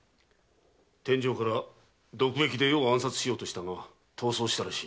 天井から毒液で余を暗殺しようとしたが逃走したらしい。